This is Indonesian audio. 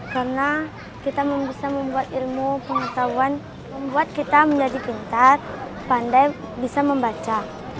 karena kita bisa membuat ilmu pengetahuan membuat kita menjadi pintar pandai bisa membaca